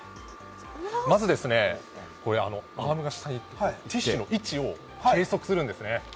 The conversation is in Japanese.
まずアームが下にティッシュの位置を計測するんです。